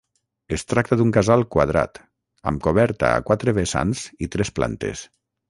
Es tracta d'un casal quadrat, amb coberta a quatre vessants i tres plantes.